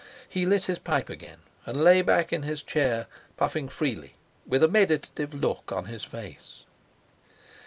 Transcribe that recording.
He lit his pipe again and lay back in his chair, puffing freely, with a meditative look on his face.